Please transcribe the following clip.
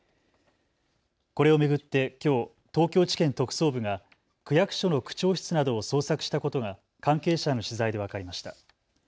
これを巡ってきょう東京地検特捜部が区役所の区長室などを捜索したことが関係者への取材で分かりました。